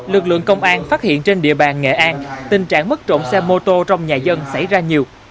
lực lượng công an phát hiện trên địa bàn nghệ an tình trạng mất trộm xe mô tô trong nhà dân xảy ra nhiều